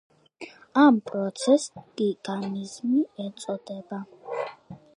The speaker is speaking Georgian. ამ პროცესს გიგანტიზმი ეწოდება.